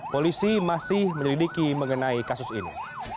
polisi masih menyelidiki mengenai kasus ini